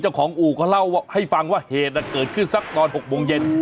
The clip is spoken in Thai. ของอู่เขาเล่าให้ฟังว่าเหตุเกิดขึ้นสักตอน๖โมงเย็น